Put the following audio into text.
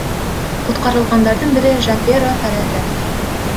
Куткарылгандардын бири Жампьеро Парете.